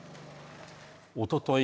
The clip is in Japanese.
おととい